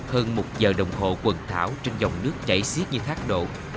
hơn một giờ đồng hồ quần thảo trên dòng nước chảy xiết như thác độ